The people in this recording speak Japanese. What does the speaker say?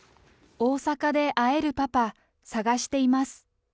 大阪で会えるパパ、探しています。